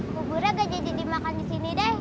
buburnya udah jadi dimakan di sini deh